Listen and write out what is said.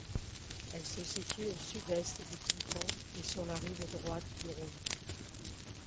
Elle se situe au sud-est du canton et sur la rive droite du Rhône.